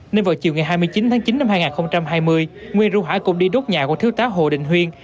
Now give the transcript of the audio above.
nên vào chiều ngày hai mươi chín tháng chín năm hai nghìn hai mươi nguyên ru hải cùng đi đốt nhà của thiếu tá hồ đình huyên